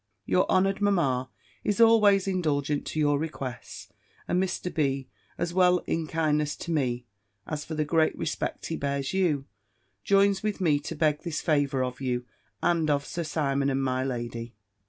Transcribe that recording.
Your honoured mamma is always indulgent to your requests: and Mr. B. as well in kindness to me, as for the great respect he bears you, joins with me to beg this favour of you, and of Sir Simon and my lady.